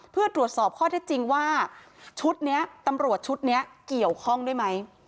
เพื่อตรวจสอบข้อเท็จจริงว่าชุดนี้ตำรวจชุดนี้เกี่ยวข้องด้วยไหม